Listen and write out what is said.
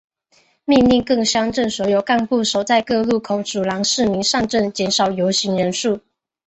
命令各乡镇所有干部守在各路口阻拦市民上镇减少游行人数。